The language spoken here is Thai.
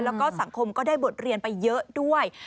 แล้วก็สังคมก็ได้บทเรียนไปเยอะด้วย